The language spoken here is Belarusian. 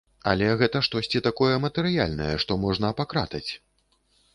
Але гэта штосьці такое матэрыяльнае, што можна пакратаць?